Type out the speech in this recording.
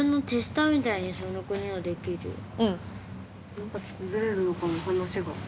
何かちょっとずれるのかも話が。